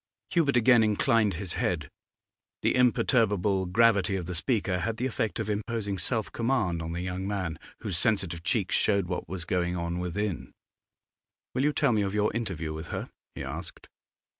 Hubert again inclined his head. The imperturbable gravity of the speaker had the effect of imposing self command on the young man; whose sensitive cheeks showed what was going on within. 'Will you tell me of your interview with her?' he asked.